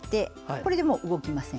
これでもう動きません。